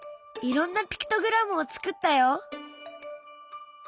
いろんなピクトグラムを作ったよ！